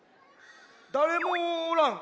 だれもおらん。